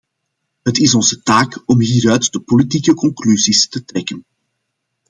Het is onze taak om hieruit de politieke conclusies te trekken.